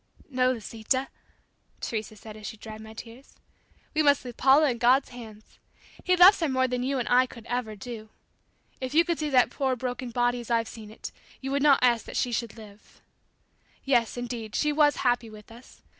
"No, Lisita," Teresa said as she dried my tears; "We must leave Paula in God's hands. He loves her more than you and I could ever do. If you could see that poor broken body as I've seen it you would not ask that she should live! Yes, indeed, she was happy with us.